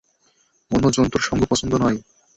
অন্য জন্তুর সঙ্গ তার পছন্দ না।